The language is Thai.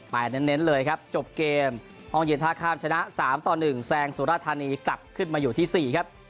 เน้นเลยครับจบเกมห้องเย็นท่าข้ามชนะ๓ต่อ๑แซงสุราธานีกลับขึ้นมาอยู่ที่๔ครับ